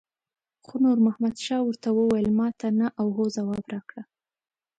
خو نور محمد شاه ورته وویل ماته نه او هو ځواب راکړه.